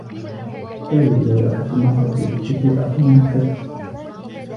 أحتاج إلى لوحة مفاتيح لكي أكون مضحكاً.